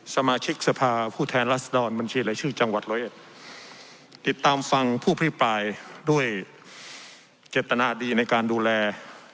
สมาชิกสภาพูดแทนรัฐศิลป์บัญชีหรือชื่อจังหวัดละเอียดติดตามฟังผู้พิพายด้วยเจตนาดีในการดูแล